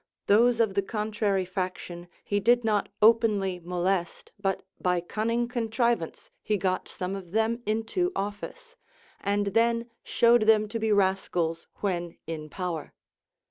Tliose of the contrary faction he did not openly molest, but by cun ning contrivance he got some of them into office, and then showed them to be rascals when in poAver.